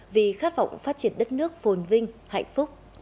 vì khát vọng phát triển đất nước phồn vinh hạnh phúc